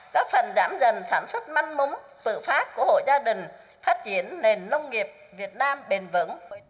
các phần giảm dần sản xuất măn mống tự phát của hội gia đình phát triển nền nông nghiệp việt nam bền vững